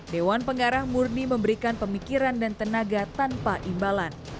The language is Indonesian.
dewan pengarah murni memberikan pemikiran dan tenaga tanpa imbalan